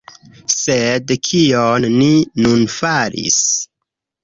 Sed kion ni nun faris?